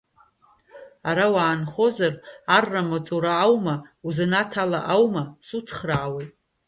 Ара уаанхозар, аррамаҵура аума, узанааҭ ала аума, суцхраауеит.